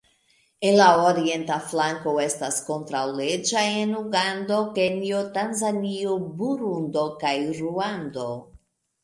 En la orienta flanko estas kontraŭleĝa en Ugando, Kenjo, Tanzanio, Burundo kaj Ruando.